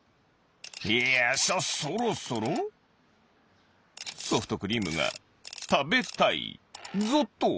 いやそろそろソフトクリームがたべたいぞっと！